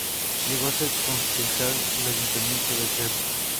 Llegó a ser concejal del Ayuntamiento de Utrera.